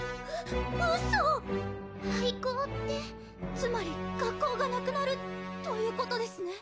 「つまり学校がなくなるということですね」